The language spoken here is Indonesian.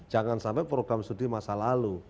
jangan sampai program studi masa lalu